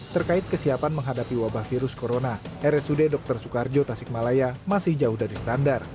terkait kesiapan menghadapi wabah virus corona rsud dr soekarjo tasikmalaya masih jauh dari standar